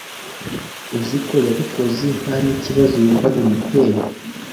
uziko yabikozi ntanikibazo yumva bimuteye